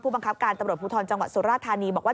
บังคับการตำรวจภูทรจังหวัดสุราธานีบอกว่า